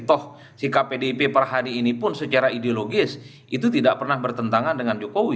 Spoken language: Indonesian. toh sikap pdip per hari ini pun secara ideologis itu tidak pernah bertentangan dengan jokowi